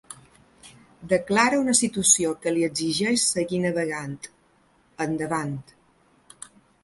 Declara una situació que li exigeix seguir navegant, endavant.